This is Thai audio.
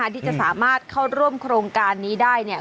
ที่จะสามารถเข้าร่วมโครงการนี้ได้เนี่ย